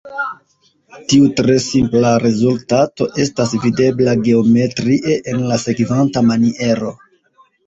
Tiu tre simpla rezultato estas videbla geometrie, en la sekvanta maniero.